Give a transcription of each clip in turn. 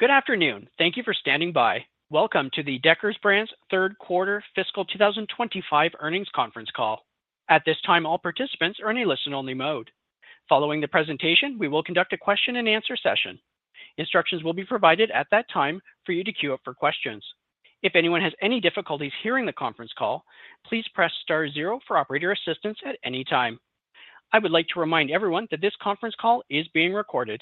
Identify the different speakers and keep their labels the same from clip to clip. Speaker 1: Good afternoon. Thank you for standing by. Welcome to the Deckers Brands' Third Quarter Fiscal 2025 Earnings Conference Call. At this time, all participants are in a listen-only mode. Following the presentation, we will conduct a question-and-answer session. Instructions will be provided at that time for you to queue up for questions. If anyone has any difficulties hearing the conference call, please press star zero for operator assistance at any time. I would like to remind everyone that this conference call is being recorded.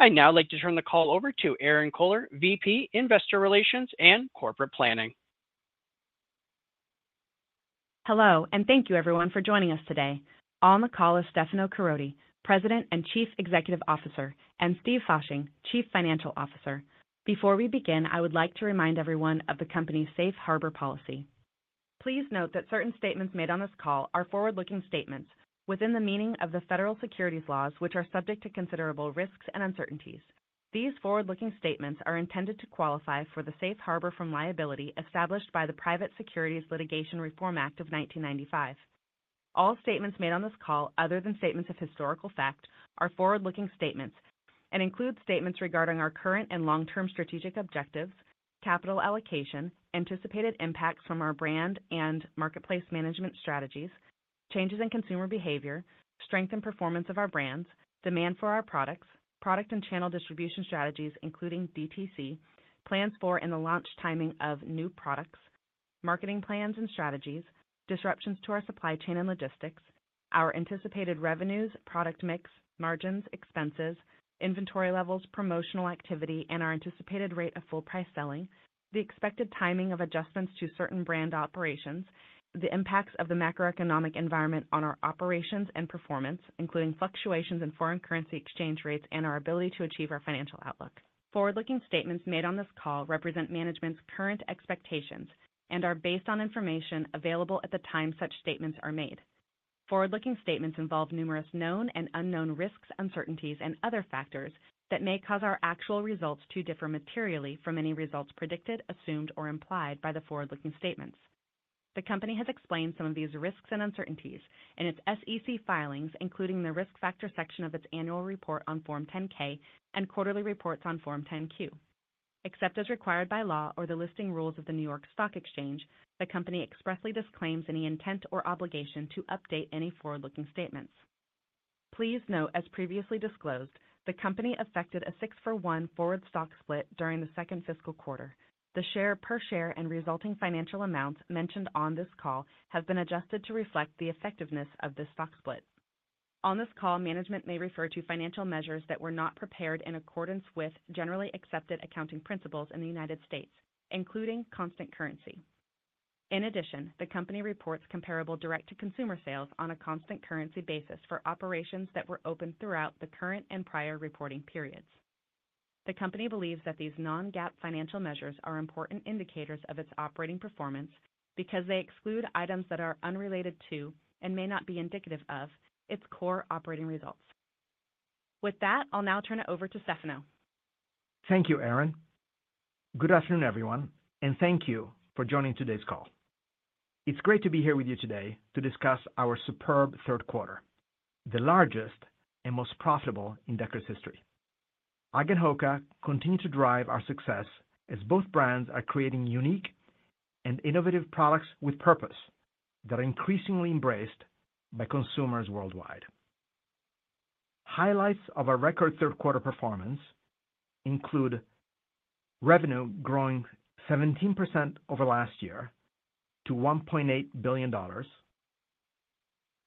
Speaker 1: I would now like to turn the call over to Erinn Kohler, VP, Investor Relations and Corporate Planning.
Speaker 2: Hello, and thank you, everyone, for joining us today. On the call is Stefano Caroti, President and Chief Executive Officer, and Steve Fasching, Chief Financial Officer. Before we begin, I would like to remind everyone of the company's safe harbor policy. Please note that certain statements made on this call are forward-looking statements within the meaning of the federal securities laws, which are subject to considerable risks and uncertainties. These forward-looking statements are intended to qualify for the safe harbor from liability established by the Private Securities Litigation Reform Act of 1995. All statements made on this call, other than statements of historical fact, are forward-looking statements and include statements regarding our current and long-term strategic objectives, capital allocation, anticipated impacts from our brand and marketplace management strategies, changes in consumer behavior, strength and performance of our brands, demand for our products, product and channel distribution strategies, including DTC, plans for and the launch timing of new products, marketing plans and strategies, disruptions to our supply chain and logistics, our anticipated revenues, product mix, margins, expenses, inventory levels, promotional activity, and our anticipated rate of full price selling, the expected timing of adjustments to certain brand operations, the impacts of the macroeconomic environment on our operations and performance, including fluctuations in foreign currency exchange rates and our ability to achieve our financial outlook. Forward-looking statements made on this call represent management's current expectations and are based on information available at the time such statements are made. Forward-looking statements involve numerous known and unknown risks, uncertainties, and other factors that may cause our actual results to differ materially from any results predicted, assumed, or implied by the forward-looking statements. The company has explained some of these risks and uncertainties in its SEC filings, including the risk factor section of its annual report on Form 10-K and quarterly reports on Form 10-Q. Except as required by law or the listing rules of the New York Stock Exchange, the company expressly disclaims any intent or obligation to update any forward-looking statements. Please note, as previously disclosed, the company effected a six-for-one forward stock split during the second fiscal quarter. The per share and resulting financial amounts mentioned on this call have been adjusted to reflect the effectiveness of this stock split. On this call, management may refer to financial measures that were not prepared in accordance with Generally Accepted Accounting Principles in the United States, including constant currency. In addition, the company reports comparable direct-to-consumer sales on a constant currency basis for operations that were open throughout the current and prior reporting periods. The company believes that these non-GAAP financial measures are important indicators of its operating performance because they exclude items that are unrelated to and may not be indicative of its core operating results. With that, I'll now turn it over to Stefano.
Speaker 3: Thank you, Erinn. Good afternoon, everyone, and thank you for joining today's call. It's great to be here with you today to discuss our superb third quarter, the largest and most profitable in Deckers history. HOKA continues to drive our success as both brands are creating unique and innovative products with purpose that are increasingly embraced by consumers worldwide. Highlights of our record third quarter performance include revenue growing 17% over last year to $1.8 billion,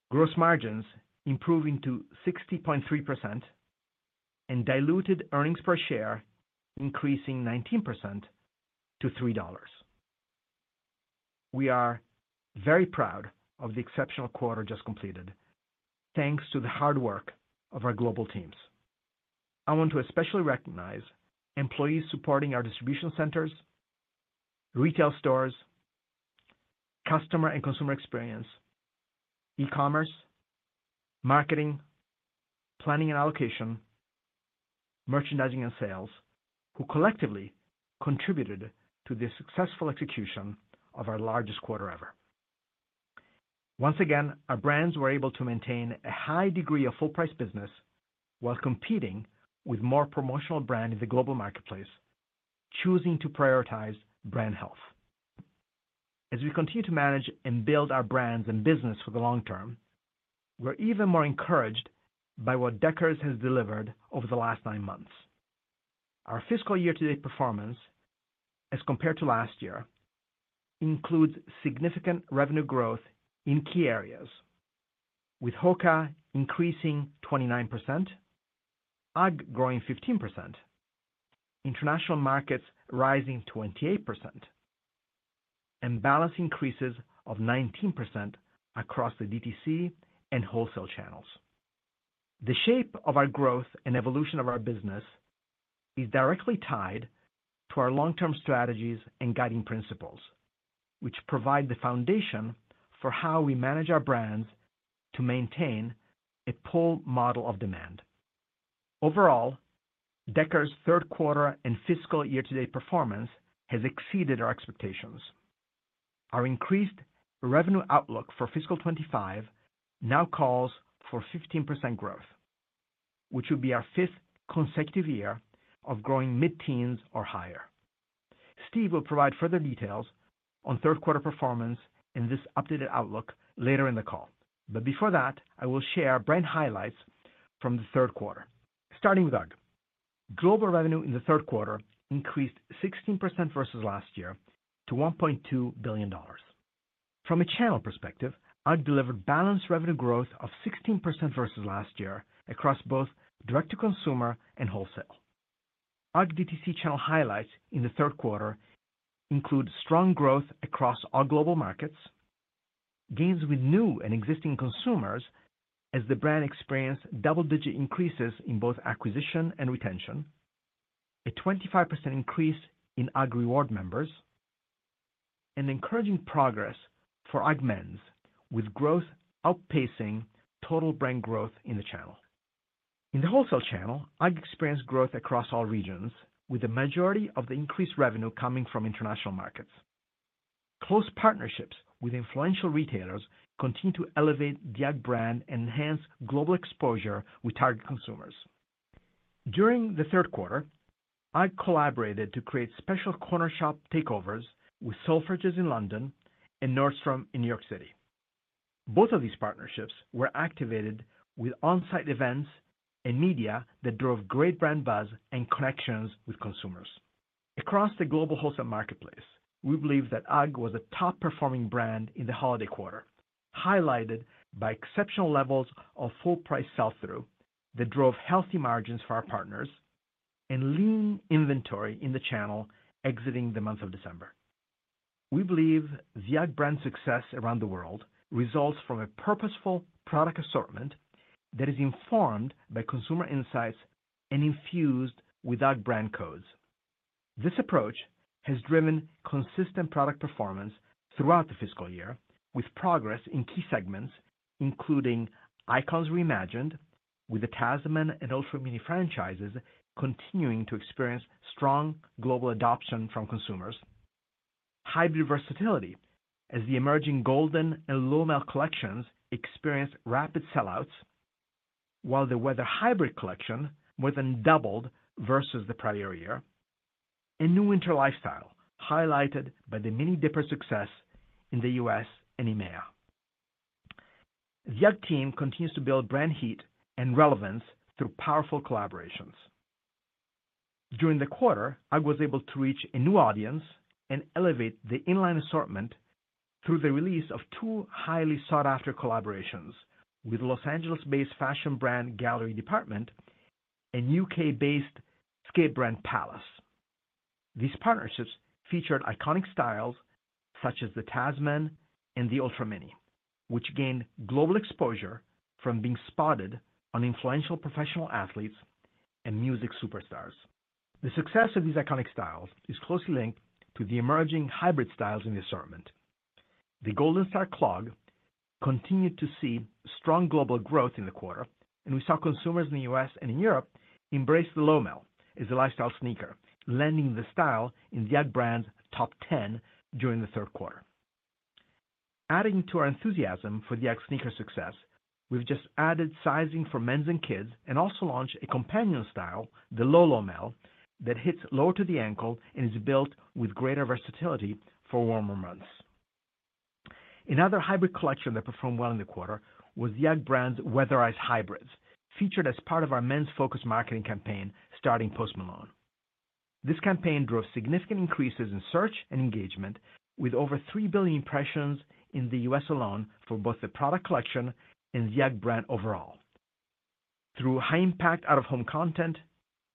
Speaker 3: gross margins improving to 60.3%, and diluted earnings per share increasing 19% to $3. We are very proud of the exceptional quarter just completed, thanks to the hard work of our global teams. I want to especially recognize employees supporting our distribution centers, retail stores, customer and consumer experience, e-commerce, marketing, planning and allocation, merchandising, and sales who collectively contributed to the successful execution of our largest quarter ever. Once again, our brands were able to maintain a high degree of full-price business while competing with more promotional brands in the global marketplace, choosing to prioritize brand health. As we continue to manage and build our brands and business for the long term, we're even more encouraged by what Deckers has delivered over the last nine months. Our fiscal year-to-date performance, as compared to last year, includes significant revenue growth in key areas, with HOKA increasing 29%, UGG growing 15%, international markets rising 28%, and balance increases of 19% across the DTC and wholesale channels. The shape of our growth and evolution of our business is directly tied to our long-term strategies and guiding principles, which provide the foundation for how we manage our brands to maintain a pull model of demand. Overall, Deckers' third quarter and fiscal year-to-date performance has exceeded our expectations. Our increased revenue outlook for fiscal 2025 now calls for 15% growth, which will be our fifth consecutive year of growing mid-teens or higher. Steve will provide further details on third quarter performance and this updated outlook later in the call. But before that, I will share brand highlights from the third quarter, starting with UGG. Global revenue in the third quarter increased 16% versus last year to $1.2 billion. From a channel perspective, UGG delivered balanced revenue growth of 16% versus last year across both direct-to-consumer and wholesale. UGG DTC channel highlights in the third quarter include strong growth across all global markets, gains with new and existing consumers as the brand experienced double-digit increases in both acquisition and retention, a 25% increase in UGG reward members, and encouraging progress for UGG men's, with growth outpacing total brand growth in the channel. In the wholesale channel, UGG experienced growth across all regions, with the majority of the increased revenue coming from international markets. Close partnerships with influential retailers continue to elevate the UGG brand and enhance global exposure with target consumers. During the third quarter, UGG collaborated to create special corner shop takeovers with Selfridges in London and Nordstrom in New York City. Both of these partnerships were activated with on-site events and media that drove great brand buzz and connections with consumers. Across the global wholesale marketplace, we believe that UGG was a top-performing brand in the holiday quarter, highlighted by exceptional levels of full-price sell-through that drove healthy margins for our partners and lean inventory in the channel exiting the month of December. We believe the UGG brand success around the world results from a purposeful product assortment that is informed by consumer insights and infused with UGG brand codes. This approach has driven consistent product performance throughout the fiscal year, with progress in key segments, including icons reimagined, with the Tasman and Ultra Mini franchises continuing to experience strong global adoption from consumers, hybrid versatility as the emerging Golden and Lowmel collections experienced rapid sellouts, while the weather hybrid collection more than doubled versus the prior year, and new winter lifestyle highlighted by the Mini Dipper success in the U.S. and EMEA. The UGG team continues to build brand heat and relevance through powerful collaborations. During the quarter, UGG was able to reach a new audience and elevate the inline assortment through the release of two highly sought-after collaborations with the Los Angeles-based fashion brand Gallery Department and UK-based skate brand Palace. These partnerships featured iconic styles such as the Tasman and the Ultra Mini, which gained global exposure from being spotted on influential professional athletes and music superstars. The success of these iconic styles is closely linked to the emerging hybrid styles in the assortment. The Golden Star Clog continued to see strong global growth in the quarter, and we saw consumers in the U.S. and in Europe embrace the Lowmel as a lifestyle sneaker, landing the style in the UGG brand top 10 during the third quarter. Adding to our enthusiasm for the UGG sneaker success, we've just added sizing for men's and kids and also launched a companion style, the Lowmel Low, that hits lower to the ankle and is built with greater versatility for warmer months. Another hybrid collection that performed well in the quarter was the UGG brand's weatherized hybrids, featured as part of our men's-focused marketing campaign starting Post Malone. This campaign drove significant increases in search and engagement, with over 3 billion impressions in the U.S. alone for both the product collection and the UGG brand overall. Through high-impact out-of-home content,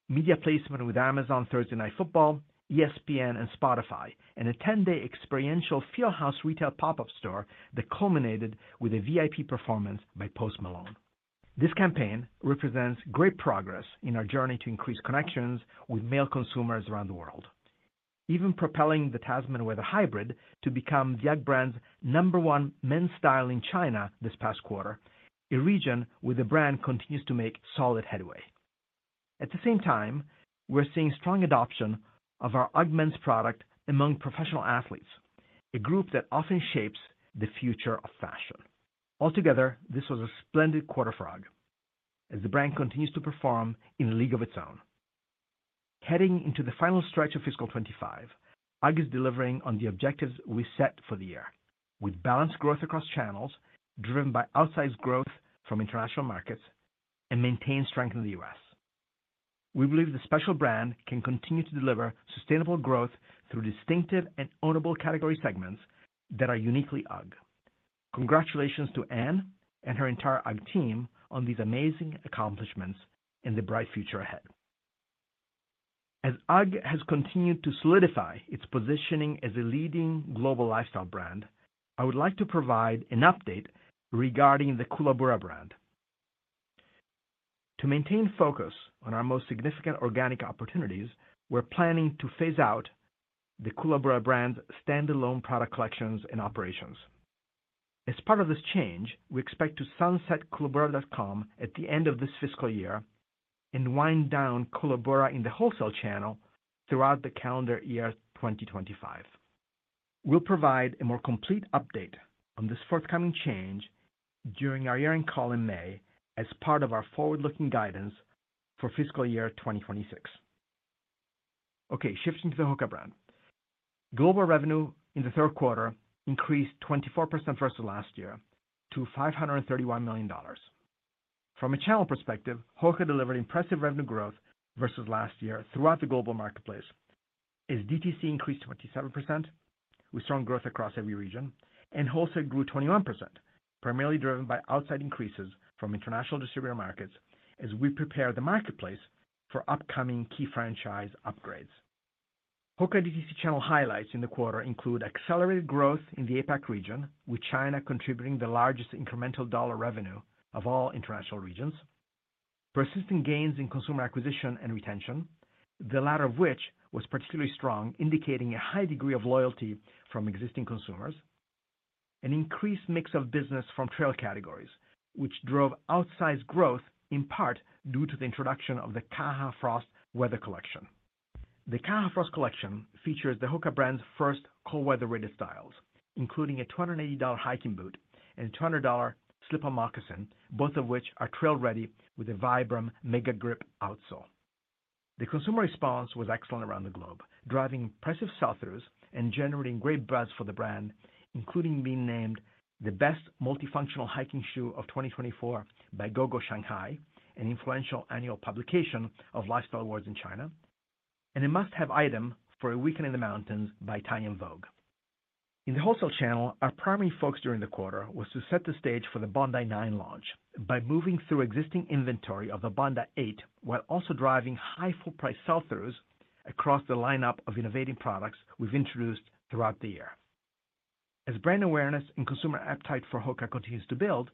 Speaker 3: media placement with Amazon Thursday Night Football, ESPN, and Spotify, and a 10-day experiential Fieldhouse retail pop-up store that culminated with a VIP performance by Post Malone. This campaign represents great progress in our journey to increase connections with male consumers around the world, even propelling the Tasman Weather Hybrid to become the UGG brand's number one men's style in China this past quarter, a region where the brand continues to make solid headway. At the same time, we're seeing strong adoption of our UGG men's product among professional athletes, a group that often shapes the future of fashion. Altogether, this was a splendid quarter for UGG, as the brand continues to perform in a league of its own. Heading into the final stretch of fiscal 2025, UGG is delivering on the objectives we set for the year, with balanced growth across channels driven by outsized growth from international markets and maintained strength in the U.S. We believe the special brand can continue to deliver sustainable growth through distinctive and ownable category segments that are uniquely UGG. Congratulations to Anne and her entire UGG team on these amazing accomplishments and the bright future ahead. As UGG has continued to solidify its positioning as a leading global lifestyle brand, I would like to provide an update regarding the Koolaburra brand. To maintain focus on our most significant organic opportunities, we're planning to phase out the Koolaburra brand's standalone product collections and operations. As part of this change, we expect to sunset koolaburra.com at the end of this fiscal year and wind down Koolaburra in the wholesale channel throughout the calendar year 2025. We'll provide a more complete update on this forthcoming change during our year-end call in May as part of our forward-looking guidance for fiscal year 2026. Okay, shifting to the HOKA brand. Global revenue in the third quarter increased 24% versus last year to $531 million. From a channel perspective, HOKA delivered impressive revenue growth versus last year throughout the global marketplace as DTC increased 27% with strong growth across every region, and wholesale grew 21%, primarily driven by outsized increases from international distributor markets as we prepare the marketplace for upcoming key franchise upgrades. HOKA DTC channel highlights in the quarter include accelerated growth in the APAC region, with China contributing the largest incremental dollar revenue of all international regions, persistent gains in consumer acquisition and retention, the latter of which was particularly strong, indicating a high degree of loyalty from existing consumers, an increased mix of business from trail categories, which drove outsized growth in part due to the introduction of the Kaha Frost weather collection. The Kaha Frost collection features the HOKA brand's first cold-weather rated styles, including a $280 hiking boot and a $200 slip-on moccasin, both of which are trail-ready with a Vibram MegaGrip outsole. The consumer response was excellent around the globe, driving impressive sell-throughs and generating great buzz for the brand, including being named the best multifunctional hiking shoe of 2024 by GoGo Shanghai, an influential annual publication of Lifestyle Awards in China, and a must-have item for a weekend in the mountains by Tianya Vogue. In the wholesale channel, our primary focus during the quarter was to set the stage for the Bondi 9 launch by moving through existing inventory of the Bondi 8 while also driving high full-price sell-throughs across the lineup of innovating products we've introduced throughout the year. As brand awareness and consumer appetite for HOKA continues to build,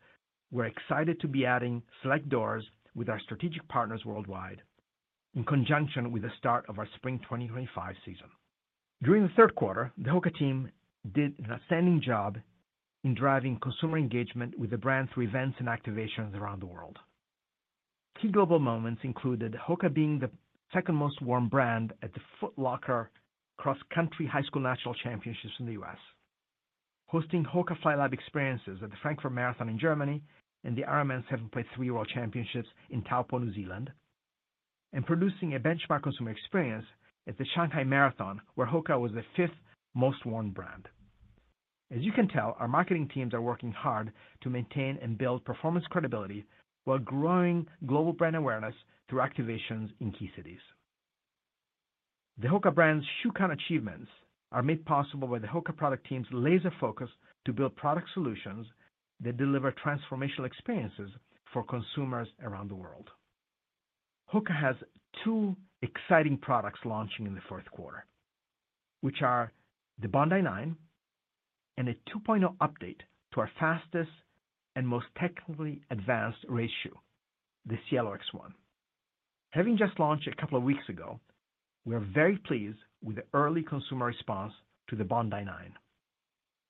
Speaker 3: we're excited to be adding select doors with our strategic partners worldwide in conjunction with the start of our spring 2025 season. During the third quarter, the HOKA team did an outstanding job in driving consumer engagement with the brand through events and activations around the world. Key global moments included HOKA being the second most worn brand at the Foot Locker Cross Country High School National Championships in the U.S., hosting HOKA Fly Lab experiences at the Frankfurt Marathon in Germany and the IRONMAN 70.3 World Championships in Taupo, New Zealand, and producing a benchmark consumer experience at the Shanghai Marathon, where HOKA was the fifth most worn brand. As you can tell, our marketing teams are working hard to maintain and build performance credibility while growing global brand awareness through activations in key cities. The HOKA brand's outsized achievements are made possible by the HOKA product team's laser focus to build product solutions that deliver transformational experiences for consumers around the world. HOKA has two exciting products launching in the fourth quarter, which are the Bondi 9 and a 2.0 update to our fastest and most technically advanced race shoe, the Cielo X1. Having just launched a couple of weeks ago, we are very pleased with the early consumer response to the Bondi 9.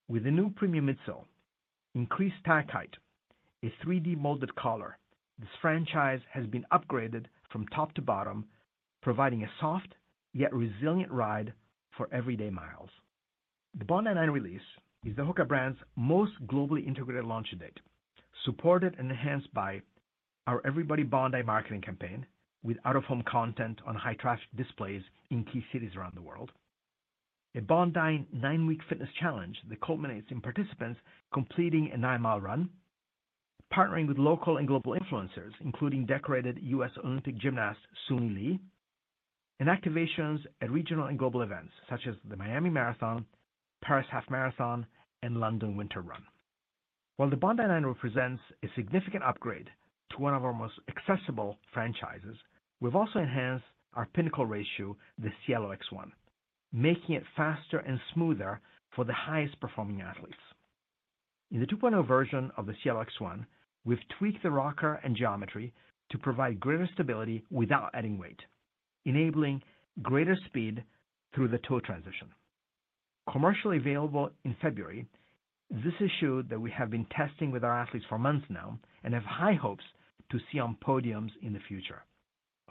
Speaker 3: With a new premium midsole, increased stack height, a 3D molded collar, this franchise has been upgraded from top to bottom, providing a soft yet resilient ride for everyday miles. The Bondi 9 release is the HOKA brand's most globally integrated launch date, supported and enhanced by our Everybody Bondi marketing campaign with out-of-home content on high-traffic displays in key cities around the world. A Bondi 9-week fitness challenge that culminates in participants completing a nine-mile run, partnering with local and global influencers, including decorated U.S. Olympic gymnast Suni Lee, and activations at regional and global events such as the Miami Marathon, Paris Half Marathon, and London Winter Run. While the Bondi 9 represents a significant upgrade to one of our most accessible franchises, we've also enhanced our pinnacle race shoe, the Cielo X1, making it faster and smoother for the highest performing athletes. In the 2.0 version of the Cielo X1, we've tweaked the rocker and geometry to provide greater stability without adding weight, enabling greater speed through the toe transition. Commercially available in February, this is a shoe that we have been testing with our athletes for months now and have high hopes to see on podiums in the future.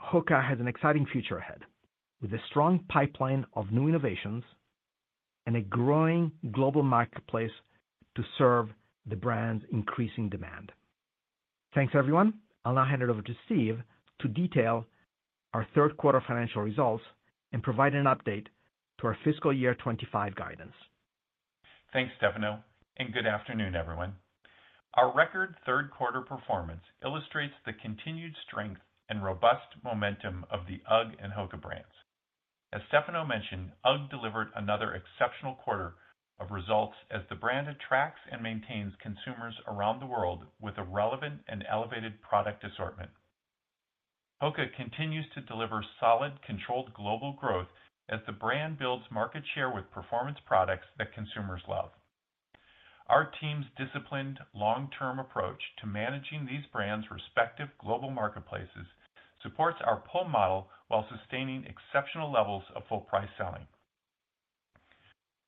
Speaker 3: HOKA has an exciting future ahead with a strong pipeline of new innovations and a growing global marketplace to serve the brand's increasing demand. Thanks, everyone. I'll now hand it over to Steve to detail our third quarter financial results and provide an update to our fiscal year 2025 guidance.
Speaker 4: Thanks, Stefano, and good afternoon, everyone. Our record third quarter performance illustrates the continued strength and robust momentum of the UGG and HOKA brands. As Stefano mentioned, UGG delivered another exceptional quarter of results as the brand attracts and maintains consumers around the world with a relevant and elevated product assortment. HOKA continues to deliver solid, controlled global growth as the brand builds market share with performance products that consumers love. Our team's disciplined, long-term approach to managing these brands' respective global marketplaces supports our pull model while sustaining exceptional levels of full-price selling.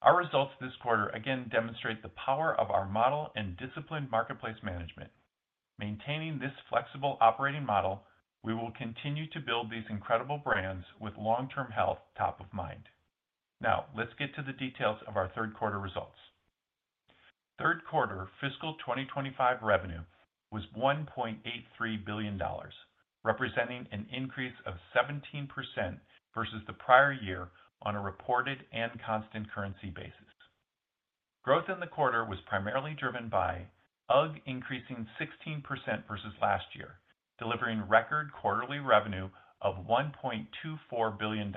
Speaker 4: Our results this quarter again demonstrate the power of our model and disciplined marketplace management. Maintaining this flexible operating model, we will continue to build these incredible brands with long-term health top of mind. Now, let's get to the details of our third quarter results. Third quarter fiscal 2025 revenue was $1.83 billion, representing an increase of 17% versus the prior year on a reported and constant currency basis. Growth in the quarter was primarily driven by UGG increasing 16% versus last year, delivering record quarterly revenue of $1.24 billion,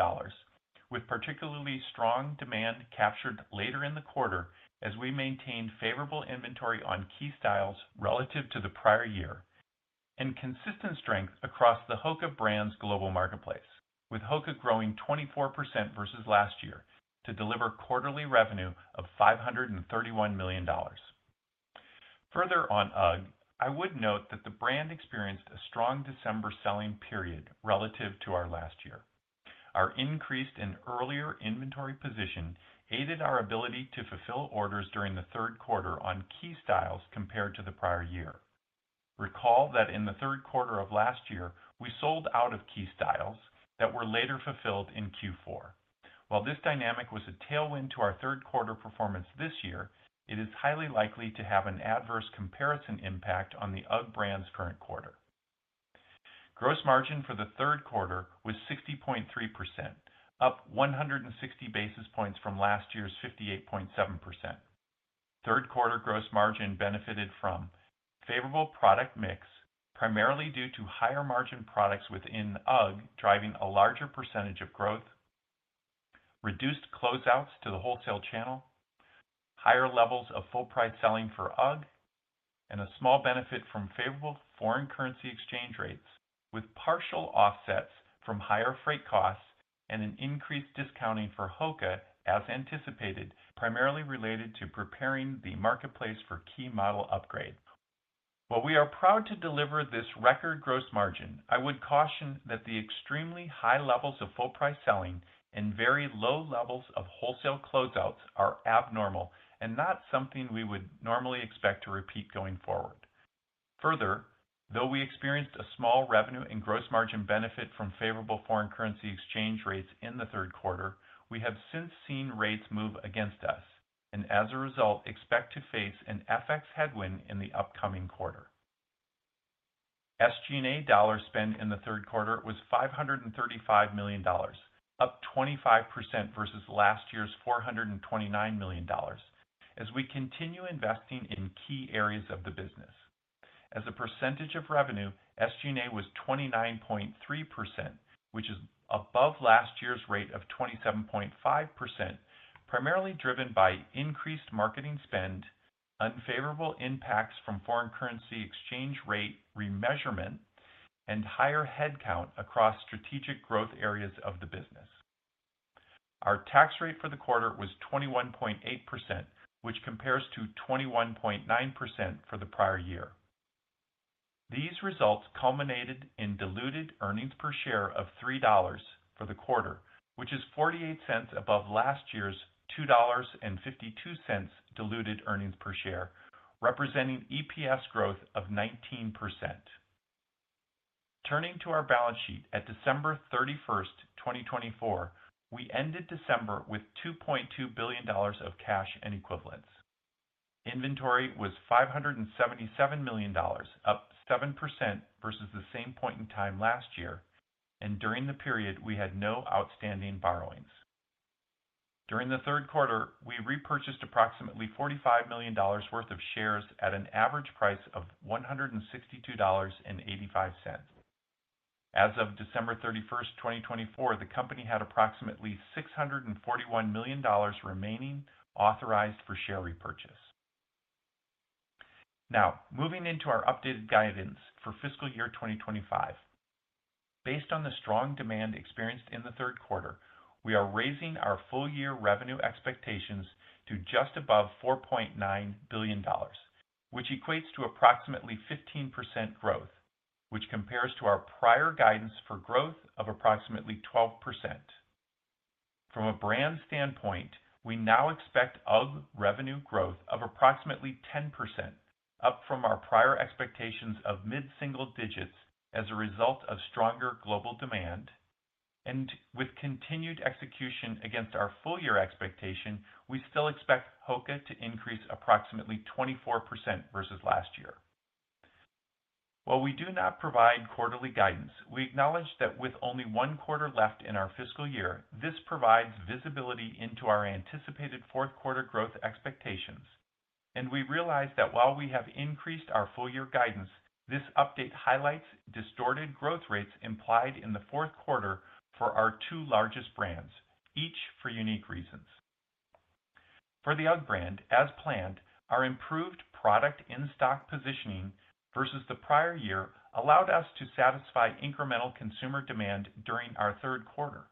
Speaker 4: with particularly strong demand captured later in the quarter as we maintained favorable inventory on key styles relative to the prior year and consistent strength across the HOKA brand's global marketplace, with HOKA growing 24% versus last year to deliver quarterly revenue of $531 million. Further on UGG, I would note that the brand experienced a strong December selling period relative to our last year. Our increased and earlier inventory position aided our ability to fulfill orders during the third quarter on key styles compared to the prior year. Recall that in the third quarter of last year, we sold out of key styles that were later fulfilled in Q4. While this dynamic was a tailwind to our third quarter performance this year, it is highly likely to have an adverse comparison impact on the UGG brand's current quarter. Gross margin for the third quarter was 60.3%, up 160 basis points from last year's 58.7%. Third quarter gross margin benefited from favorable product mix, primarily due to higher margin products within UGG driving a larger percentage of growth, reduced closeouts to the wholesale channel, higher levels of full-price selling for UGG, and a small benefit from favorable foreign currency exchange rates, with partial offsets from higher freight costs and an increased discounting for HOKA as anticipated, primarily related to preparing the marketplace for key model upgrade. While we are proud to deliver this record gross margin, I would caution that the extremely high levels of full-price selling and very low levels of wholesale closeouts are abnormal and not something we would normally expect to repeat going forward. Further, though we experienced a small revenue and gross margin benefit from favorable foreign currency exchange rates in the third quarter, we have since seen rates move against us, and as a result, expect to face an FX headwind in the upcoming quarter. SG&A dollar spend in the third quarter was $535 million, up 25% versus last year's $429 million, as we continue investing in key areas of the business. As a percentage of revenue, SG&A was 29.3%, which is above last year's rate of 27.5%, primarily driven by increased marketing spend, unfavorable impacts from foreign currency exchange rate remeasurement, and higher headcount across strategic growth areas of the business. Our tax rate for the quarter was 21.8%, which compares to 21.9% for the prior year. These results culminated in Diluted Earnings Per Share of $3 for the quarter, which is $0.48 above last year's $2.52 Diluted Earnings Per Share, representing EPS growth of 19%. Turning to our balance sheet at December 31st, 2024, we ended December with $2.2 billion of cash and equivalents. Inventory was $577 million, up 7% versus the same point in time last year, and during the period, we had no outstanding borrowings. During the third quarter, we repurchased approximately $45 million worth of shares at an average price of $162.85. As of December 31st, 2024, the company had approximately $641 million remaining authorized for share repurchase. Now, moving into our updated guidance for fiscal year 2025. Based on the strong demand experienced in the third quarter, we are raising our full-year revenue expectations to just above $4.9 billion, which equates to approximately 15% growth, which compares to our prior guidance for growth of approximately 12%. From a brand standpoint, we now expect UGG revenue growth of approximately 10%, up from our prior expectations of mid-single digits as a result of stronger global demand, and with continued execution against our full-year expectation, we still expect HOKA to increase approximately 24% versus last year. While we do not provide quarterly guidance, we acknowledge that with only one quarter left in our fiscal year, this provides visibility into our anticipated fourth quarter growth expectations, and we realize that while we have increased our full-year guidance, this update highlights distorted growth rates implied in the fourth quarter for our two largest brands, each for unique reasons. For the UGG brand, as planned, our improved product in-stock positioning versus the prior year allowed us to satisfy incremental consumer demand during our third quarter.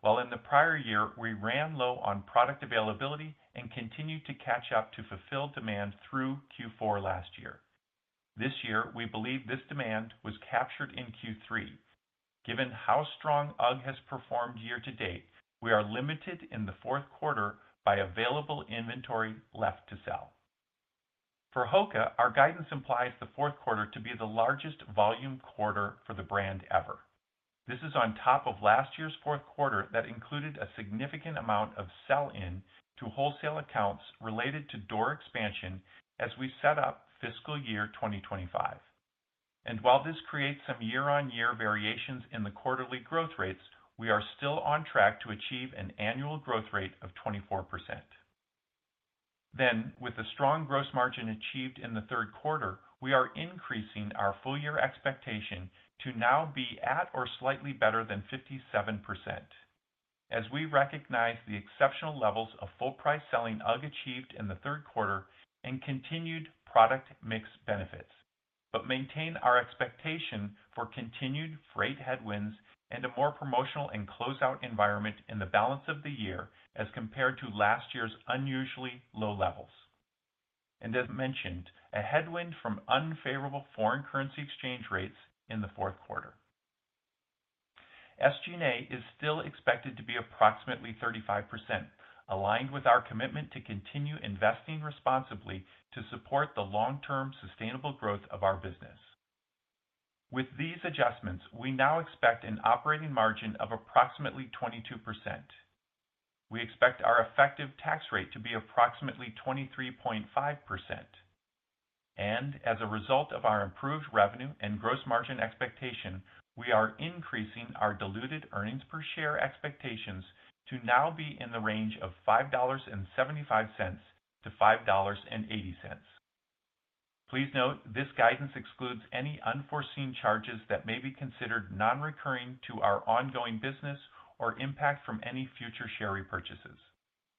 Speaker 4: While in the prior year, we ran low on product availability and continued to catch up to fulfill demand through Q4 last year. This year, we believe this demand was captured in Q3. Given how strong UGG has performed year to date, we are limited in the fourth quarter by available inventory left to sell. For HOKA, our guidance implies the fourth quarter to be the largest volume quarter for the brand ever. This is on top of last year's fourth quarter that included a significant amount of sell-in to wholesale accounts related to door expansion as we set up fiscal year 2025. And while this creates some year-on-year variations in the quarterly growth rates, we are still on track to achieve an annual growth rate of 24%. Then, with the strong gross margin achieved in the third quarter, we are increasing our full-year expectation to now be at or slightly better than 57%, as we recognize the exceptional levels of full-price selling UGG achieved in the third quarter and continued product mix benefits, but maintain our expectation for continued freight headwinds and a more promotional and closeout environment in the balance of the year as compared to last year's unusually low levels. And as mentioned, a headwind from unfavorable foreign currency exchange rates in the fourth quarter. SG&A is still expected to be approximately 35%, aligned with our commitment to continue investing responsibly to support the long-term sustainable growth of our business. With these adjustments, we now expect an operating margin of approximately 22%. We expect our effective tax rate to be approximately 23.5%. And as a result of our improved revenue and gross margin expectation, we are increasing our diluted earnings per share expectations to now be in the range of $5.75-$5.80. Please note, this guidance excludes any unforeseen charges that may be considered non-recurring to our ongoing business or impact from any future share repurchases.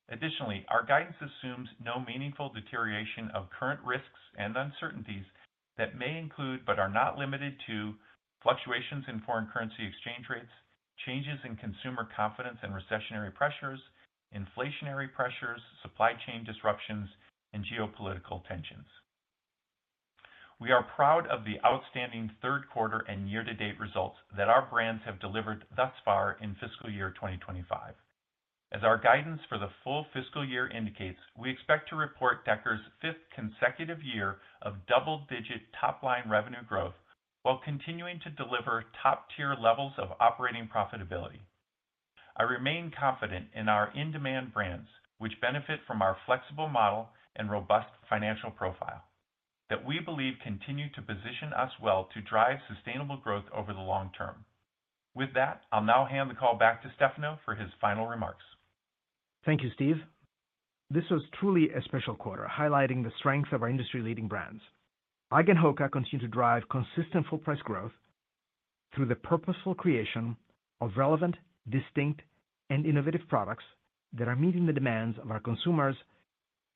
Speaker 4: Additionally, our guidance assumes no meaningful deterioration of current risks and uncertainties that may include but are not limited to fluctuations in foreign currency exchange rates, changes in consumer confidence and recessionary pressures, inflationary pressures, supply chain disruptions, and geopolitical tensions. We are proud of the outstanding third quarter and year-to-date results that our brands have delivered thus far in fiscal year 2025. As our guidance for the full fiscal year indicates, we expect to report Deckers' fifth consecutive year of double-digit top-line revenue growth while continuing to deliver top-tier levels of operating profitability. I remain confident in our in-demand brands, which benefit from our flexible model and robust financial profile, that we believe continue to position us well to drive sustainable growth over the long term. With that, I'll now hand the call back to Stefano for his final remarks.
Speaker 3: Thank you, Steve. This was truly a special quarter highlighting the strength of our industry-leading brands. UGG and HOKA continue to drive consistent full-price growth through the purposeful creation of relevant, distinct, and innovative products that are meeting the demands of our consumers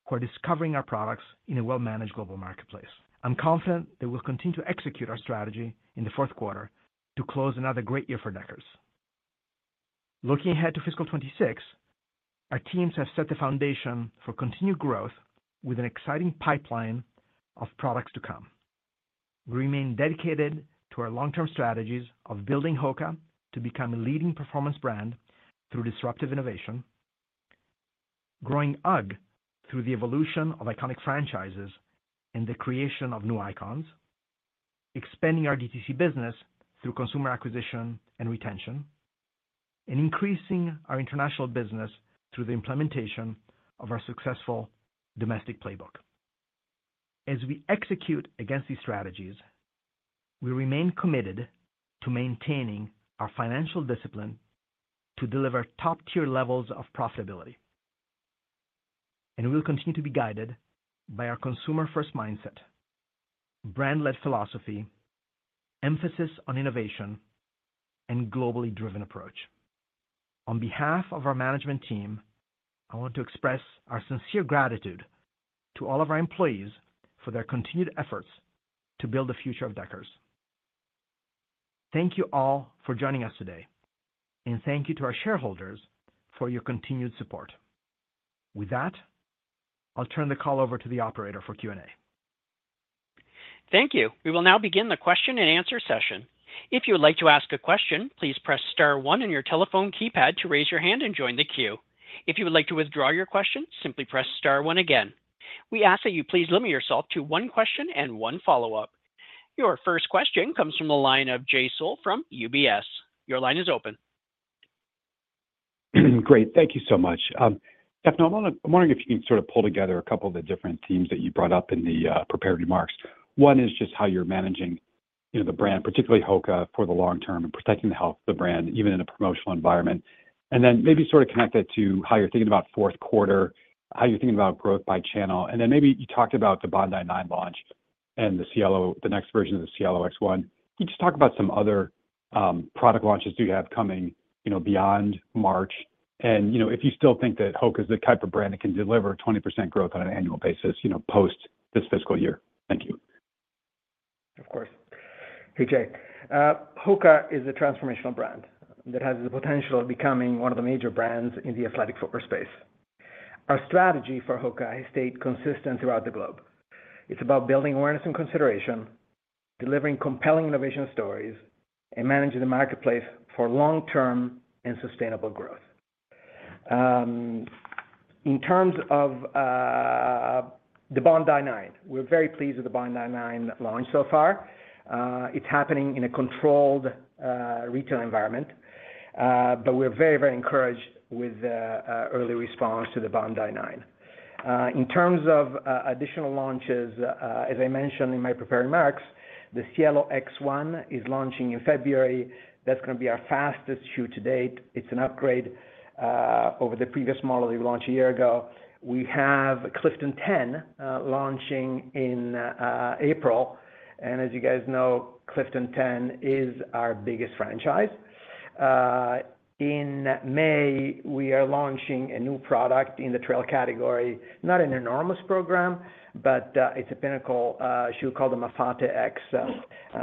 Speaker 3: who are discovering our products in a well-managed global marketplace. I'm confident they will continue to execute our strategy in the fourth quarter to close another great year for Deckers. Looking ahead to fiscal 2026, our teams have set the foundation for continued growth with an exciting pipeline of products to come. We remain dedicated to our long-term strategies of building HOKA to become a leading performance brand through disruptive innovation, growing UGG through the evolution of iconic franchises and the creation of new icons, expanding our DTC business through consumer acquisition and retention, and increasing our international business through the implementation of our successful domestic playbook. As we execute against these strategies, we remain committed to maintaining our financial discipline to deliver top-tier levels of profitability, and we'll continue to be guided by our consumer-first mindset, brand-led philosophy, emphasis on innovation, and globally driven approach. On behalf of our management team, I want to express our sincere gratitude to all of our employees for their continued efforts to build the future of Deckers. Thank you all for joining us today, and thank you to our shareholders for your continued support. With that, I'll turn the call over to the operator for Q&A.
Speaker 1: Thank you. We will now begin the question-and-answer session. If you would like to ask a question, please press star one on your telephone keypad to raise your hand and join the queue. If you would like to withdraw your question, simply press star one again. We ask that you please limit yourself to one question and one follow-up. Your first question comes from the line of Jay Sole from UBS. Your line is open.
Speaker 5: Great. Thank you so much. Stefano, I'm wondering if you can sort of pull together a couple of the different themes that you brought up in the prepared remarks. One is just how you're managing the brand, particularly HOKA, for the long term and protecting the health of the brand, even in a promotional environment. And then maybe sort of connect that to how you're thinking about fourth quarter, how you're thinking about growth by channel. And then maybe you talked about the Bondi 9 launch and the next version of the Cielo X1. Can you just talk about some other product launches you have coming beyond March? And if you still think that HOKA is the type of brand that can deliver 20% growth on an annual basis post this fiscal year, thank you. Of course.
Speaker 3: Hey, Jay. HOKA is a transformational brand that has the potential of becoming one of the major brands in the athletic footwear space. Our strategy for HOKA has stayed consistent throughout the globe. It's about building awareness and consideration, delivering compelling innovation stories, and managing the marketplace for long-term and sustainable growth. In terms of the Bondi 9, we're very pleased with the Bondi 9 launch so far. It's happening in a controlled retail environment, but we're very, very encouraged with early response to the Bondi 9. In terms of additional launches, as I mentioned in my prepared remarks, the Cielo X1 is launching in February. That's going to be our fastest shoe to date. It's an upgrade over the previous model that we launched a year ago. We have Clifton 10 launching in April, and as you guys know, Clifton 10 is our biggest franchise. In May, we are launching a new product in the trail category, not an enormous program, but it's a pinnacle shoe called the Mafate X,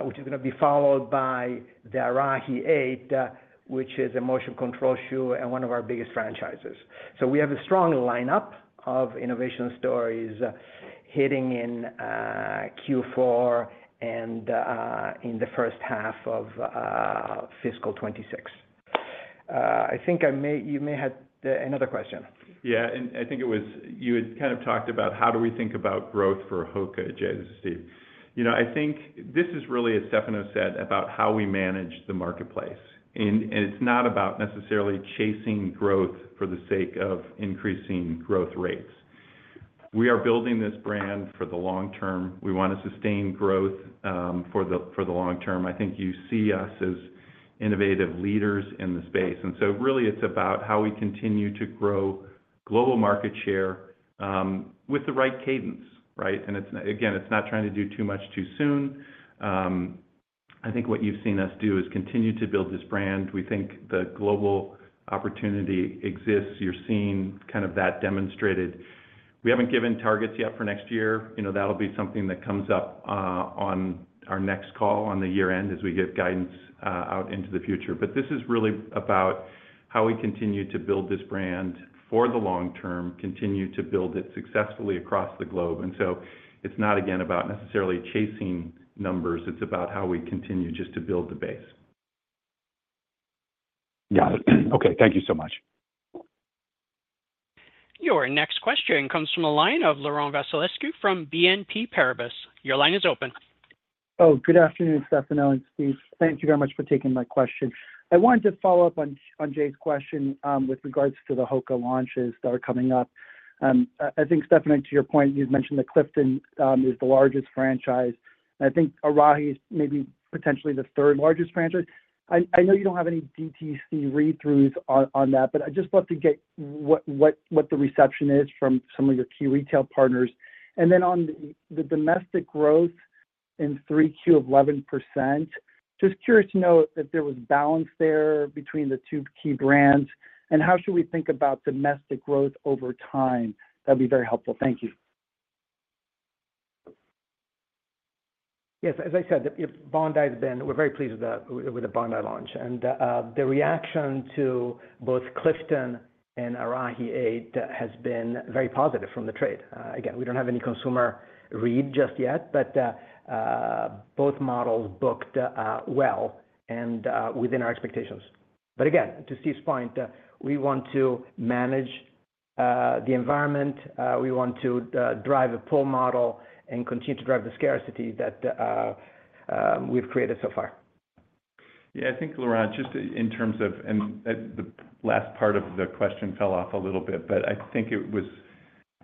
Speaker 3: which is going to be followed by the Arahi 8, which is a motion control shoe and one of our biggest franchises, so we have a strong lineup of innovation stories hitting in Q4 and in the first half of fiscal 2026. I think you may have another question.
Speaker 4: Yeah, and I think it was you had kind of talked about how do we think about growth for HOKA, Jay, this is Steve. I think this is really as Stefano said about how we manage the marketplace. And it's not about necessarily chasing growth for the sake of increasing growth rates. We are building this brand for the long term. We want to sustain growth for the long term. I think you see us as innovative leaders in the space. And so really, it's about how we continue to grow global market share with the right cadence, right? And again, it's not trying to do too much too soon. I think what you've seen us do is continue to build this brand. We think the global opportunity exists. You're seeing kind of that demonstrated. We haven't given targets yet for next year. That'll be something that comes up on our next call on the year-end as we get guidance out into the future. But this is really about how we continue to build this brand for the long term, continue to build it successfully across the globe. And so it's not, again, about necessarily chasing numbers. It's about how we continue just to build the base.
Speaker 5: Got it. Okay. Thank you so much.
Speaker 1: Your next question comes from a line of Laurent Vasilescu from BNP Paribas. Your line is open.
Speaker 6: Oh, good afternoon, Stefano. And Steve, thank you very much for taking my question. I wanted to follow up on Jay's question with regards to the HOKA launches that are coming up. I think, Stefano, to your point, you've mentioned that Clifton is the largest franchise. And I think Arahi is maybe potentially the third-largest franchise. I know you don't have any DTC read-throughs on that, but I just love to get what the reception is from some of your key retail partners. And then on the domestic growth in 3Q of 11%, just curious to know if there was balance there between the two key brands. And how should we think about domestic growth over time? That'd be very helpful. Thank you.
Speaker 4: Yes. As I said, we're very pleased with the Bondi launch, and the reaction to both Clifton and Arahi 8 has been very positive from the trade. Again, we don't have any consumer read just yet, but both models booked well and within our expectations, but again, to Steve's point, we want to manage the environment. We want to drive a pull model and continue to drive the scarcity that we've created so far.
Speaker 3: Yeah. I think, Laurent, just in terms of, and the last part of the question fell off a little bit, but I think it was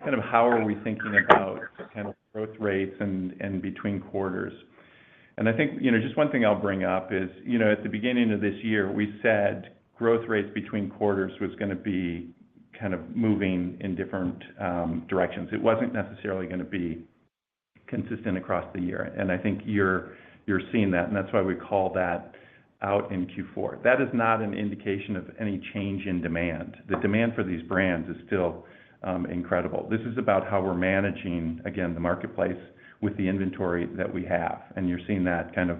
Speaker 3: kind of how are we thinking about kind of growth rates and between quarters, and I think just one thing I'll bring up is at the beginning of this year, we said growth rates between quarters was going to be kind of moving in different directions. It wasn't necessarily going to be consistent across the year. And I think you're seeing that. And that's why we call that out in Q4. That is not an indication of any change in demand. The demand for these brands is still incredible. This is about how we're managing, again, the marketplace with the inventory that we have. And you're seeing that kind of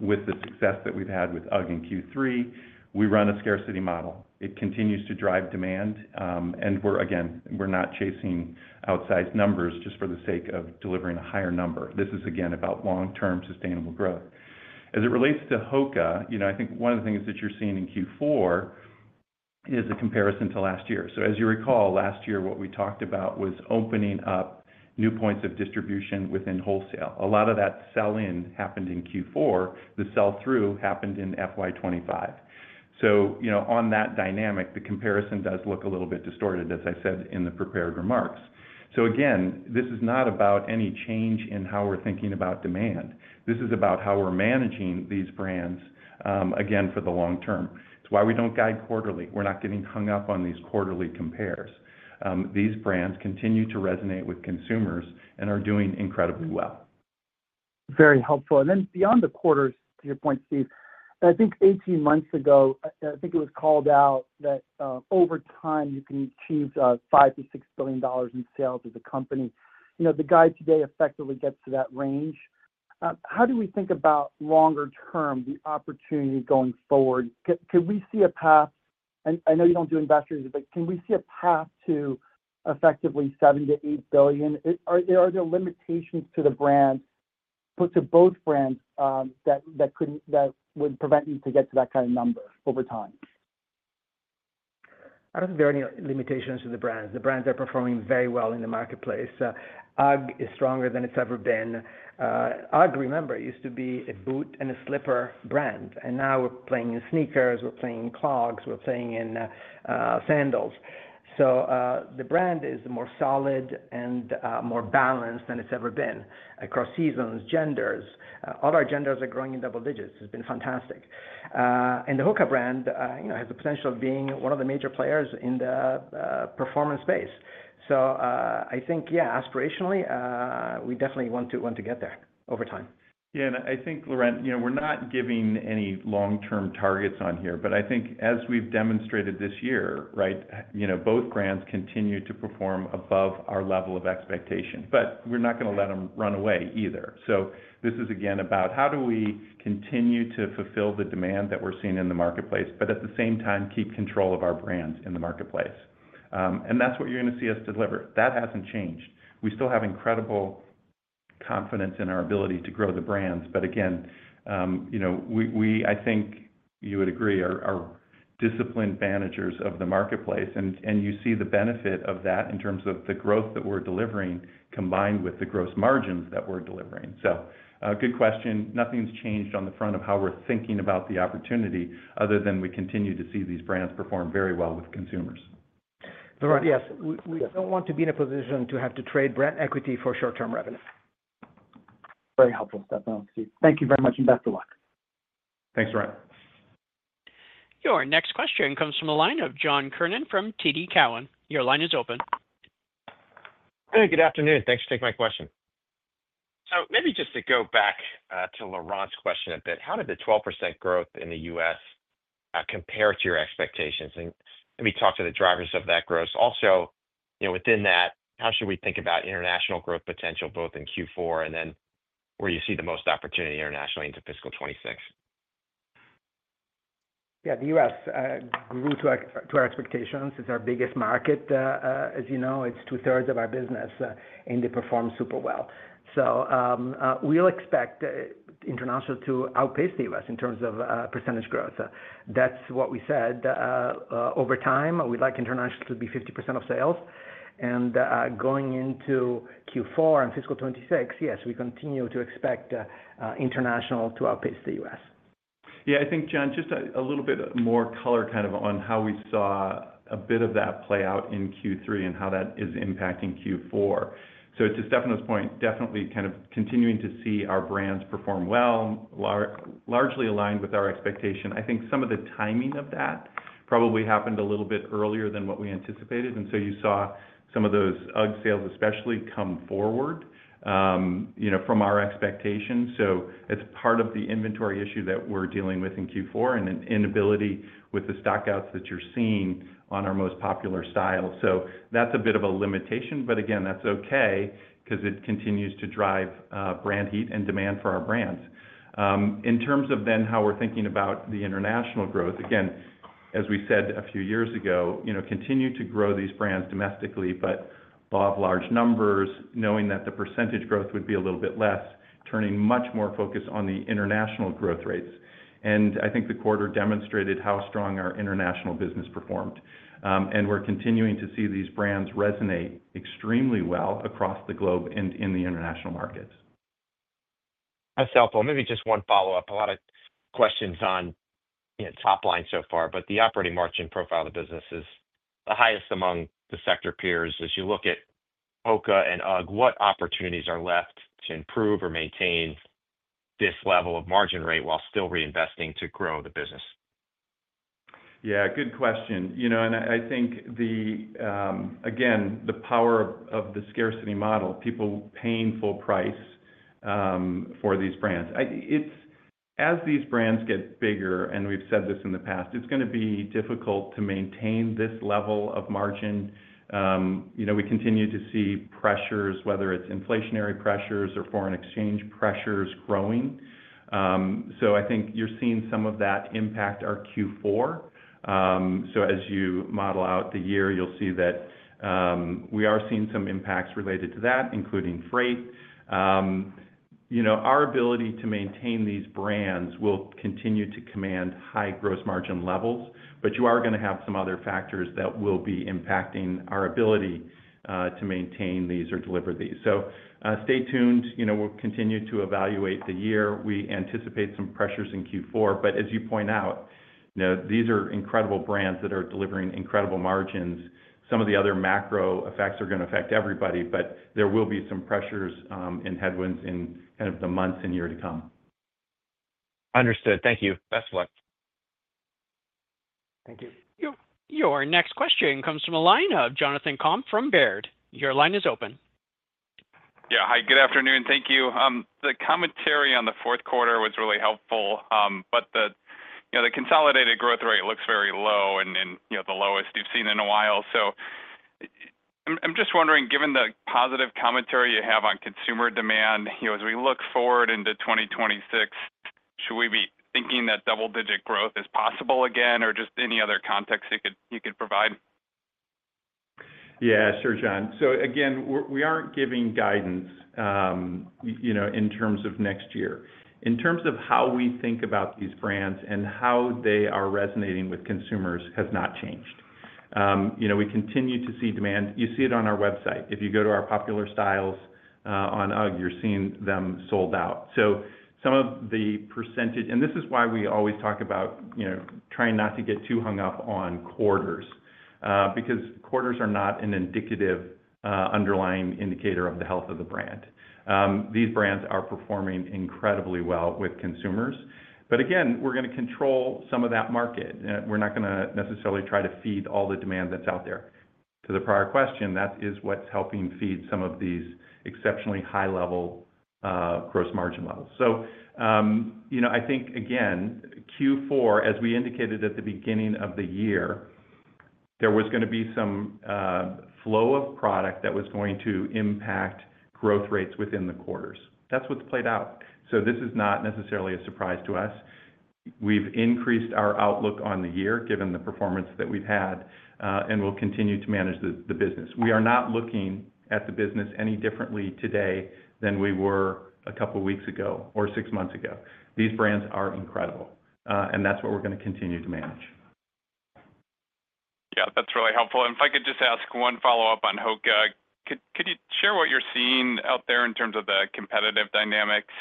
Speaker 3: with the success that we've had with UGG in Q3. We run a scarcity model. It continues to drive demand. And again, we're not chasing outsized numbers just for the sake of delivering a higher number. This is, again, about long-term sustainable growth. As it relates to HOKA, I think one of the things that you're seeing in Q4 is a comparison to last year. So as you recall, last year, what we talked about was opening up new points of distribution within wholesale. A lot of that sell-in happened in Q4. The sell-through happened in FY2025. So on that dynamic, the comparison does look a little bit distorted, as I said in the prepared remarks. So again, this is not about any change in how we're thinking about demand. This is about how we're managing these brands, again, for the long term. It's why we don't guide quarterly. We're not getting hung up on these quarterly compares. These brands continue to resonate with consumers and are doing incredibly well.
Speaker 6: Very helpful. And then beyond the quarters, to your point, Steve, I think 18 months ago, I think it was called out that over time, you can achieve $5-$6 billion in sales as a company. The guide today effectively gets to that range. How do we think about longer-term, the opportunity going forward? Could we see a path? And I know you don't do investors, but can we see a path to effectively $7-$8 billion? Are there limitations to both brands that would prevent you to get to that kind of number over time?
Speaker 4: I don't think there are any limitations to the brands. The brands are performing very well in the marketplace. UGG is stronger than it's ever been. UGG, remember, used to be a boot and a slipper brand. And now we're playing in sneakers. We're playing in clogs. We're playing in sandals. So the brand is more solid and more balanced than it's ever been across seasons, genders. All our genders are growing in double digits. It's been fantastic. And the HOKA brand has the potential of being one of the major players in the performance space. So I think, yeah, aspirationally, we definitely want to get there over time.
Speaker 3: Yeah. And I think, Laurent, we're not giving any long-term targets on here. But I think as we've demonstrated this year, right, both brands continue to perform above our level of expectation. But we're not going to let them run away either. So this is, again, about how do we continue to fulfill the demand that we're seeing in the marketplace, but at the same time, keep control of our brands in the marketplace. And that's what you're going to see us deliver. That hasn't changed. We still have incredible confidence in our ability to grow the brands. But again, I think you would agree, our disciplined managers of the marketplace. And you see the benefit of that in terms of the growth that we're delivering combined with the gross margins that we're delivering. So good question. Nothing's changed on the front of how we're thinking about the opportunity other than we continue to see these brands perform very well with consumers.
Speaker 4: Laurent, yes. We don't want to be in a position to have to trade brand equity for short-term revenue.
Speaker 6: Very helpful, Stefano. Steve, thank you very much and best of luck.
Speaker 4: Thanks, Laurent.
Speaker 1: Your next question comes from a line of John Kernan from TD Cowen. Your line is open.
Speaker 7: Hey, good afternoon. Thanks for taking my question. So maybe just to go back to Laurent's question a bit, how did the 12% growth in the US compare to your expectations? And maybe talk to the drivers of that growth. Also, within that, how should we think about international growth potential both in Q4 and then where you see the most opportunity internationally into fiscal 2026?
Speaker 4: Yeah. The U.S. grew to our expectations. It's our biggest market. As you know, it's two-thirds of our business, and they perform super well. So we'll expect international to outpace the U.S. in terms of percentage growth. That's what we said. Over time, we'd like international to be 50% of sales. And going into Q4 and fiscal 2026, yes, we continue to expect international to outpace the U.S.
Speaker 3: Yeah. I think, John, just a little bit more color kind of on how we saw a bit of that play out in Q3 and how that is impacting Q4. So to Stefano's point, definitely kind of continuing to see our brands perform well, largely aligned with our expectation. I think some of the timing of that probably happened a little bit earlier than what we anticipated. And so you saw some of those UGG sales especially come forward from our expectations. So it's part of the inventory issue that we're dealing with in Q4 and an inability with the stockouts that you're seeing on our most popular styles. So that's a bit of a limitation. But again, that's okay because it continues to drive brand heat and demand for our brands. In terms of then how we're thinking about the international growth, again, as we said a few years ago, continue to grow these brands domestically, but above large numbers, knowing that the percentage growth would be a little bit less, turning much more focus on the international growth rates. And I think the quarter demonstrated how strong our international business performed. And we're continuing to see these brands resonate extremely well across the globe and in the international markets.
Speaker 7: That's helpful. Maybe just one follow-up. A lot of questions on top line so far, but the operating margin profile of the business is the highest among the sector peers. As you look at HOKA and UGG, what opportunities are left to improve or maintain this level of margin rate while still reinvesting to grow the business?
Speaker 3: Yeah. Good question. And I think, again, the power of the scarcity model, people paying full price for these brands. As these brands get bigger, and we've said this in the past, it's going to be difficult to maintain this level of margin. We continue to see pressures, whether it's inflationary pressures or foreign exchange pressures, growing. So I think you're seeing some of that impact our Q4. So as you model out the year, you'll see that we are seeing some impacts related to that, including freight. Our ability to maintain these brands will continue to command high gross margin levels. But you are going to have some other factors that will be impacting our ability to maintain these or deliver these. So stay tuned. We'll continue to evaluate the year. We anticipate some pressures in Q4. But as you point out, these are incredible brands that are delivering incredible margins. Some of the other macro effects are going to affect everybody, but there will be some pressures and headwinds in kind of the months and year to come.
Speaker 7: Understood. Thank you. Best of luck.
Speaker 3: Thank you.
Speaker 1: Your next question comes from a line of Jonathan Komp from Baird. Your line is open.
Speaker 8: Yeah. Hi. Good afternoon. Thank you. The commentary on the fourth quarter was really helpful. But the consolidated growth rate looks very low and the lowest you've seen in a while. So I'm just wondering, given the positive commentary you have on consumer demand, as we look forward into 2026, should we be thinking that double-digit growth is possible again or just any other context you could provide?
Speaker 3: Yeah. Sure, John. So again, we aren't giving guidance in terms of next year. In terms of how we think about these brands and how they are resonating with consumers has not changed. We continue to see demand. You see it on our website. If you go to our popular styles on UGG, you're seeing them sold out. So some of the percentage, and this is why we always talk about trying not to get too hung up on quarters, because quarters are not an indicative underlying indicator of the health of the brand. These brands are performing incredibly well with consumers. But again, we're going to control some of that market. We're not going to necessarily try to feed all the demand that's out there. To the prior question, that is what's helping feed some of these exceptionally high-level gross margin levels. So I think, again, Q4, as we indicated at the beginning of the year, there was going to be some flow of product that was going to impact growth rates within the quarters. That's what's played out. So this is not necessarily a surprise to us. We've increased our outlook on the year given the performance that we've had and will continue to manage the business. We are not looking at the business any differently today than we were a couple of weeks ago or six months ago. These brands are incredible. And that's what we're going to continue to manage.
Speaker 8: Yeah. That's really helpful. And if I could just ask one follow-up on HOKA, could you share what you're seeing out there in terms of the competitive dynamics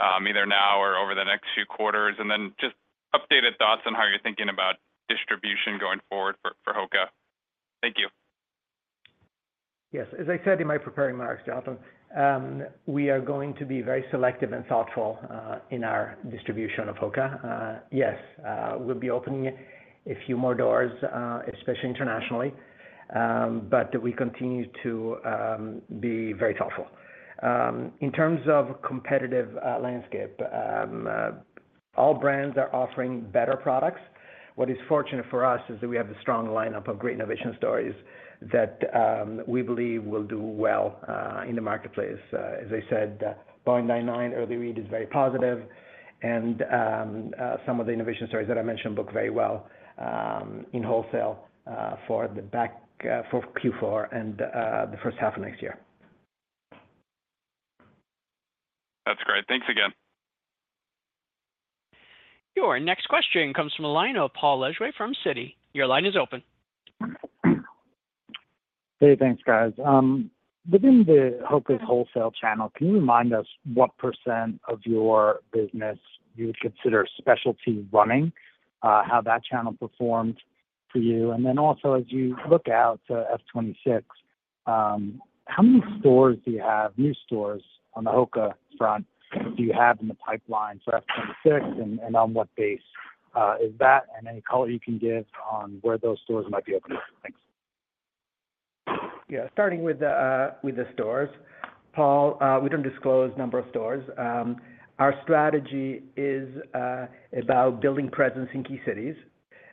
Speaker 8: either now or over the next few quarters? And then just updated thoughts on how you're thinking about distribution going forward for HOKA. Thank you.
Speaker 4: Yes. As I said in my prepared remarks, Jonathan, we are going to be very selective and thoughtful in our distribution of HOKA. Yes. We'll be opening a few more doors, especially internationally. But we continue to be very thoughtful. In terms of competitive landscape, all brands are offering better products. What is fortunate for us is that we have a strong lineup of great innovation stories that we believe will do well in the marketplace. As I said, Bondi 9, early read is very positive. And some of the innovation stories that I mentioned book very well in wholesale for Q4 and the first half of next year.
Speaker 8: That's great. Thanks again.
Speaker 1: Your next question comes from a line of Paul Lejuez from Citi. Your line is open.
Speaker 9: Hey, thanks, guys. Within the HOKA wholesale channel, can you remind us what % of your business you would consider specialty running, how that channel performed for you? And then also, as you look out to FY2026, how many stores do you have, new stores on the HOKA front, do you have in the pipeline for FY2026, and on what base is that? And any color you can give on where those stores might be opening?
Speaker 4: Thanks. Yeah. Starting with the stores, Paul, we don't disclose number of stores. Our strategy is about building presence in key cities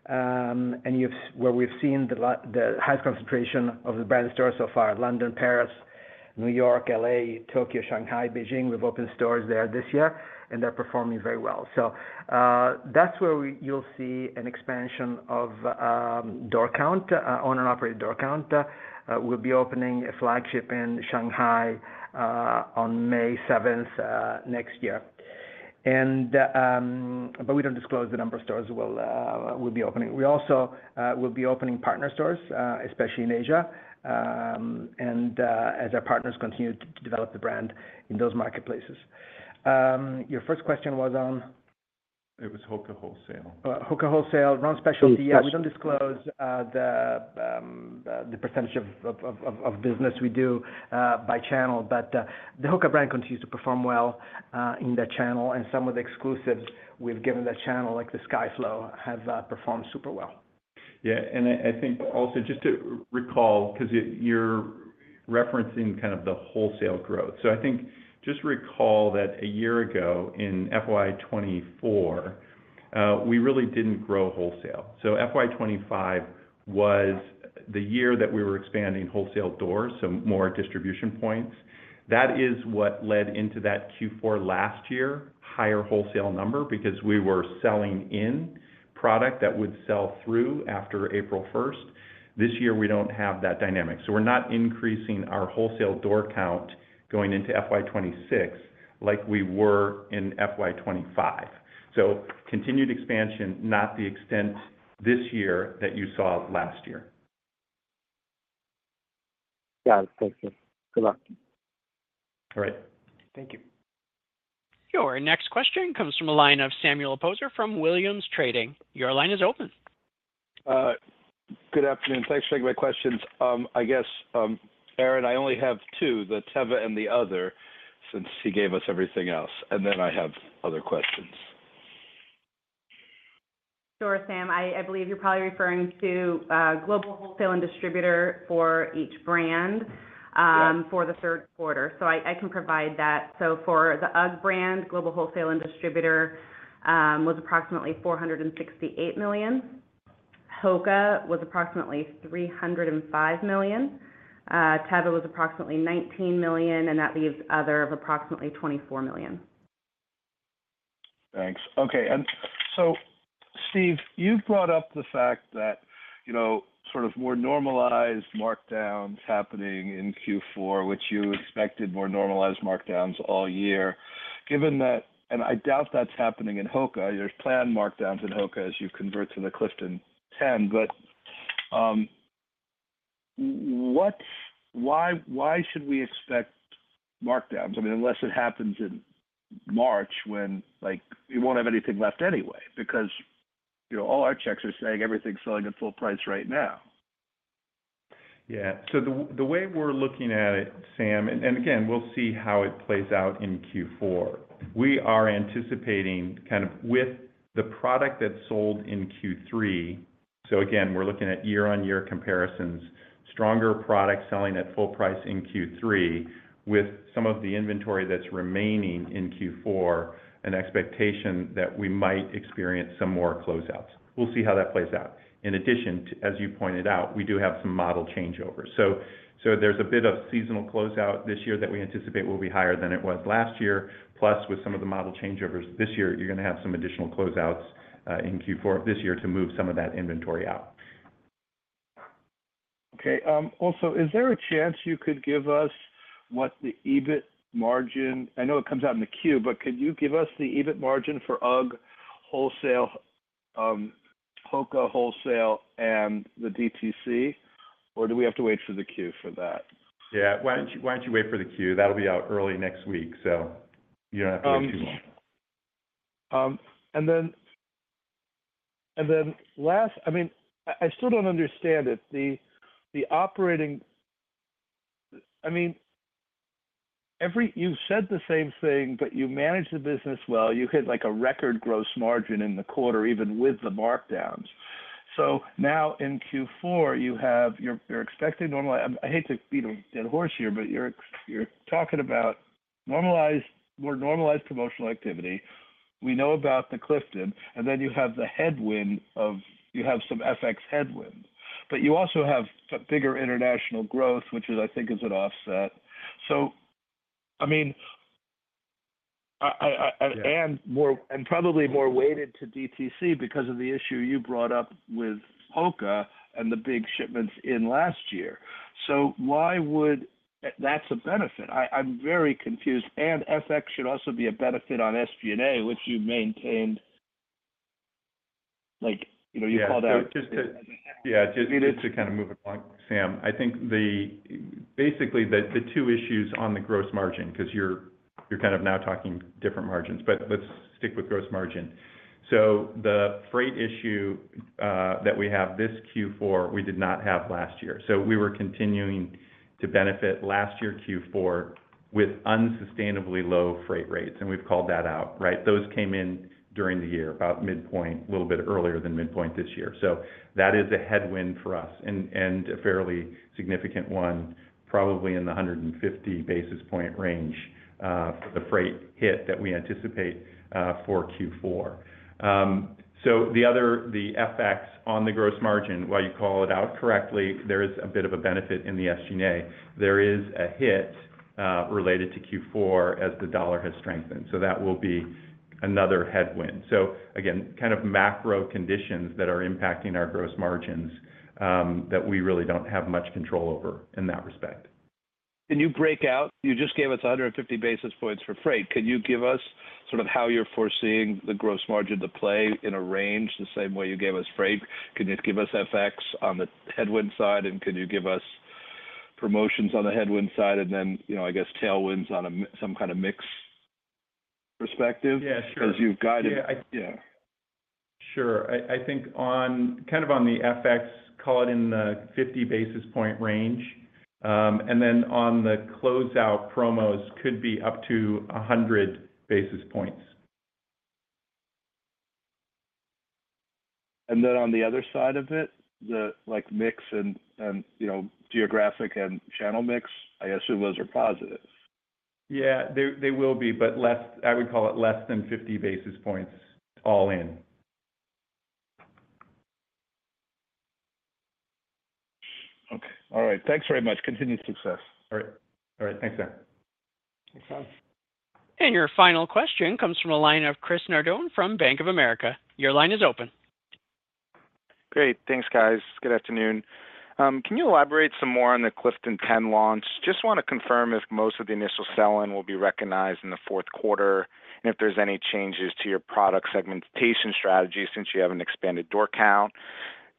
Speaker 4: where we've seen the highest concentration of the brand stores so far: London, Paris, New York, LA, Tokyo, Shanghai, Beijing. We've opened stores there this year, and they're performing very well. So that's where you'll see an expansion of door count, owned and operated door count. We'll be opening a flagship in Shanghai on May 7th next year. But we don't disclose the number of stores we'll be opening. We also will be opening partner stores, especially in Asia, and as our partners continue to develop the brand in those marketplaces. Your first question was on?
Speaker 9: It was HOKA wholesale.
Speaker 4: HOKA wholesale, running specialty. Yeah. We don't disclose the percentage of business we do by channel. But the HOKA brand continues to perform well in that channel. And some of the exclusives we've given that channel, like the Skyflow, have performed super well. Yeah. And I think also just to recall because you're referencing kind of the wholesale growth. So I think just recall that a year ago in FY2024, we really didn't grow wholesale. So FY2025 was the year that we were expanding wholesale doors, so more distribution points. That is what led into that Q4 last year, higher wholesale number because we were selling in product that would sell through after April 1st. This year, we don't have that dynamic. So we're not increasing our wholesale door count going into FY2026 like we were in FY2025. So continued expansion, not the extent this year that you saw last year.
Speaker 9: Got it. Thanks, sir. Good luck.
Speaker 4: All right. Thank you. Your next question comes from a line of Sam Poser from Williams Trading. Your line is open.
Speaker 10: Good afternoon. Thanks for taking my questions. I guess, Erinn, I only have two, the Teva and the other, since he gave us everything else. And then I have other questions.
Speaker 2: Sure, Sam. I believe you're probably referring to global wholesale and distributor for each brand for the third quarter. So I can provide that. So for the UGG brand, global wholesale and distributor was approximately $468 million. HOKA was approximately $305 million. Teva was approximately $19 million. And that leaves other of approximately $24 million.
Speaker 10: Thanks. Okay. And so, Steve, you brought up the fact that sort of more normalized markdowns happening in Q4, which you expected more normalized markdowns all year. And I doubt that's happening in HOKA. There's planned markdowns in HOKA as you convert to the Clifton 10. But why should we expect markdowns? I mean, unless it happens in March when we won't have anything left anyway because all our checks are saying everything's selling at full price right now.
Speaker 4: Yeah. So the way we're looking at it, Sam, and again, we'll see how it plays out in Q4. We are anticipating kind of with the product that's sold in Q3. So again, we're looking at year-on-year comparisons, stronger product selling at full price in Q3 with some of the inventory that's remaining in Q4, an expectation that we might experience some more closeouts. We'll see how that plays out. In addition, as you pointed out, we do have some model changeovers. So there's a bit of seasonal closeout this year that we anticipate will be higher than it was last year. Plus, with some of the model changeovers this year, you're going to have some additional closeouts in Q4 of this year to move some of that inventory out.
Speaker 10: Okay. Also, is there a chance you could give us what the EBIT margin? I know it comes out in the Q, but could you give us the EBIT margin for UGG wholesale, HOKA wholesale, and the DTC? Or do we have to wait for the Q for that?
Speaker 4: Yeah. Why don't you wait for the Q? That'll be out early next week. So you don't have to wait too long.
Speaker 10: And then last, I mean, I still don't understand it. I mean, you said the same thing, but you manage the business well. You hit a record gross margin in the quarter even with the markdowns. So now in Q4, you have your expected normalized. I hate to beat a dead horse here, but you're talking about more normalized promotional activity. We know about the Clifton. And then you have the headwind of you have some FX headwind. But you also have bigger international growth, which I think is an offset. So, I mean, and probably more weighted to DTC because of the issue you brought up with HOKA and the big shipments in last year. So why would that be a benefit? I'm very confused. And FX should also be a benefit on SG&A, which you maintained. You called out.
Speaker 4: Yeah. Just to kind of move along, Sam, I think basically the two issues on the gross margin because you're kind of now talking different margins. But let's stick with gross margin. So the freight issue that we have this Q4, we did not have last year. So we were continuing to benefit last year Q4 with unsustainably low freight rates. And we've called that out, right? Those came in during the year, about midpoint, a little bit earlier than midpoint this year. So that is a headwind for us and a fairly significant one, probably in the 150 basis point range for the freight hit that we anticipate for Q4. So the FX on the gross margin, while you call it out correctly, there is a bit of a benefit in the SG&A. There is a hit related to Q4 as the dollar has strengthened. So that will be another headwind. So again, kind of macro conditions that are impacting our gross margins that we really don't have much control over in that respect.
Speaker 10: Can you break out? You just gave us 150 basis points for freight. Could you give us sort of how you're foreseeing the gross margin to play in a range the same way you gave us freight? Could you give us FX on the headwind side? And could you give us promotions on the headwind side and then, I guess, tailwinds on some kind of mix perspective as you've guided?
Speaker 4: Yeah. Sure. I think kind of on the FX, call it in the 50 basis point range. And then on the closeout promos, could be up to 100 basis points.
Speaker 10: And then on the other side of it, the mix and geographic and channel mix, I assume those are positive.
Speaker 4: Yeah. They will be, but I would call it less than 50 basis points all in.
Speaker 10: Okay. All right. Thanks very much. Continued success. All right.
Speaker 4: All right. Thanks, Sam. Thanks.
Speaker 1: And your final question comes from a line of Chris Nardone from Bank of America. Your line is open.
Speaker 11: Great. Thanks, guys. Good afternoon. Can you elaborate some more on the Clifton 10 launch? Just want to confirm if most of the initial sell-in will be recognized in the fourth quarter and if there's any changes to your product segmentation strategy since you have an expanded door count.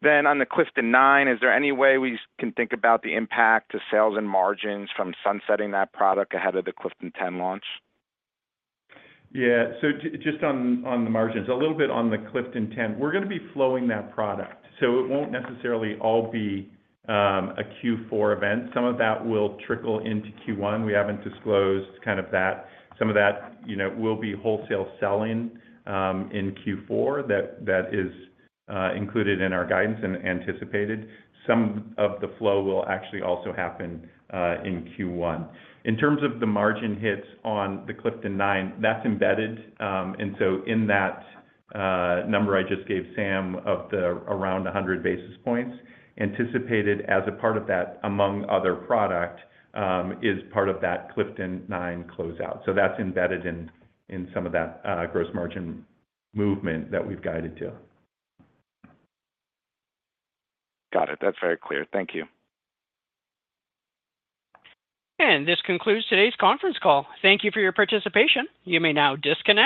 Speaker 11: Then on the Clifton 9, is there any way we can think about the impact to sales and margins from sunsetting that product ahead of the Clifton 10 launch?
Speaker 4: Yeah, so just on the margins, a little bit on the Clifton 10, we're going to be flowing that product, so it won't necessarily all be a Q4 event. Some of that will trickle into Q1. We haven't disclosed kind of that. Some of that will be wholesale selling in Q4 that is included in our guidance and anticipated. Some of the flow will actually also happen in Q1. In terms of the margin hits on the Clifton 9, that's embedded. So in that number I just gave Sam of around 100 basis points anticipated as a part of that among other products is part of that Clifton 9 closeout. So that's embedded in some of that gross margin movement that we've guided to.
Speaker 11: Got it. That's very clear. Thank you.
Speaker 1: This concludes today's conference call. Thank you for your participation. You may now disconnect.